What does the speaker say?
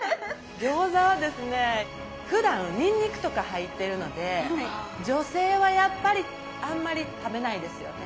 餃子はですねふだんにんにくとか入ってるので女性はやっぱりあんまり食べないですよね。